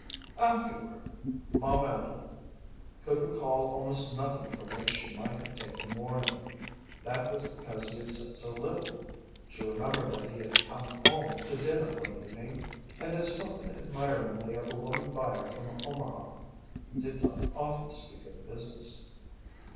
Afterward, Ma Mandle could recall almost nothing from which she might have taken warning. That was because he had said so little. She remembered that he had come home to dinner one evening and had spoken admiringly of a woman buyer from Omaha. He did not often speak of business.